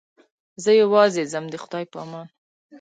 زه یوازې ځم د خدای په امان.